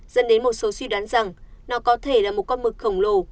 dẫn đến một số suy đoán rằng nó có thể là một con mực khổng lồ